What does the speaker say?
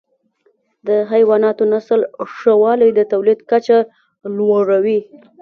د حیواناتو نسل ښه والی د تولید کچه لوړه وي.